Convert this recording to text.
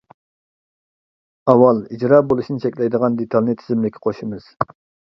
ئاۋۋال ئىجرا بولۇشىنى چەكلەيدىغان دېتالنى تىزىملىككە قوشىمىز.